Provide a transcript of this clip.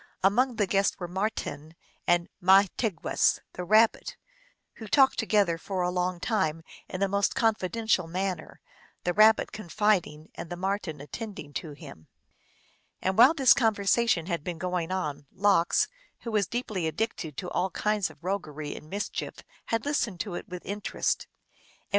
Among the guests were Marten and Mahti gwess, the Rabbit, who talked together for a long time in the most confidential manner, the Rabbit con fiding and the Marten attending to him. Now while this conversation had been going on, Lox, who was deeply addicted to all kinds of roguery and mischief, had listened to it with interest. And when THE MERRY TALES OF LOX.